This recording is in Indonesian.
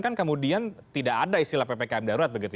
kan kemudian tidak ada istilah ppkm darurat